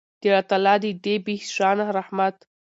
د الله تعالی د دې بې شانه رحمت